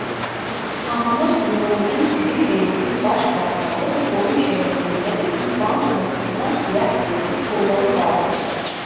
Amanos yılanının gri renkli baş plakaları ve boyun çevresinde de bir bant oluşturan siyah renkli pulları vardır.